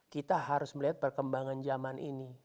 kita harus melihat perkembangan zaman ini